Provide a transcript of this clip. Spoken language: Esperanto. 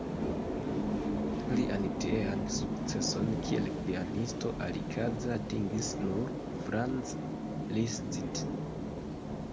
Lian tiean sukceson kiel pianisto alikaze atingis nur Franz Liszt.